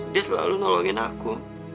dia selalu nolongin aku